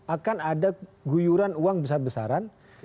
akan ada guyuran uang besar besaran